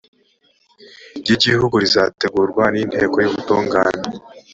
ry igihugu ruzategurwa n inteko y ubutungane